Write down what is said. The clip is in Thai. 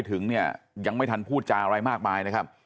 ถึงเนี่ยยังไม่ทันพูดจาอะไรมากมายนะครับ